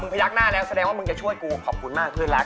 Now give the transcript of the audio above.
พยักหน้าแล้วแสดงว่ามึงจะช่วยกูขอบคุณมากเพื่อนรัก